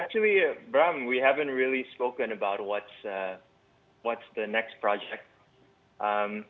sebenarnya abraham kita belum pernah bicara tentang projek berikutnya